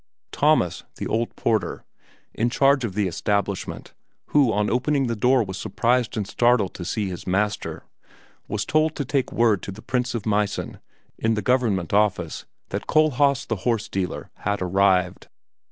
Thomas, the old porter, in charge of the establishment, who on opening the door was surprised and startled to see his master, was told to take word to the Prince of Meissen, in the Government Office, that Kohlhaas the horse dealer had arrived.